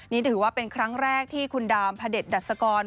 นี่ถือว่าเป็นครั้งแรกที่คุณดามพระเด็ดดัชกร